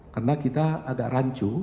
karena kita agak rancu